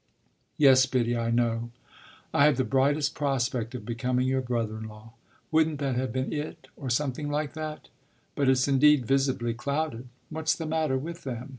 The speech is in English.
"Yes, Biddy, I know. I had the brightest prospect of becoming your brother in law: wouldn't that have been it or something like that? But it's indeed visibly clouded. What's the matter with them?